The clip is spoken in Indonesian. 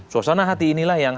suasana hati inilah yang